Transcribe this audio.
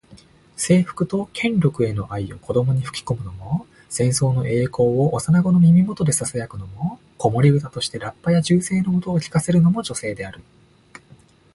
征服と権力への愛を子どもに吹き込むのも、戦争の栄光を幼子の耳元でささやくのも、子守唄としてラッパや銃声の音を聞かせるのも女性である。